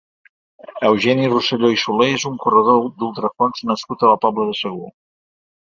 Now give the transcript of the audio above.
Eugeni Roselló i Solé és un corredor d'ultrafons nascut a la Pobla de Segur.